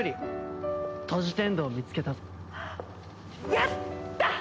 やった！